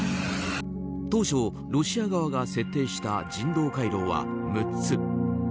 当初、ロシア側が設定した人道回廊は６つ。